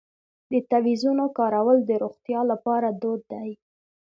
د تعویذونو کارول د روغتیا لپاره دود دی.